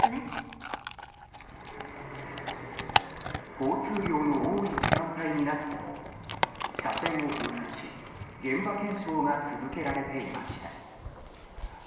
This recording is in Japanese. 交通量の多い時間帯になっても車線を封鎖し現場検証が続けられていました。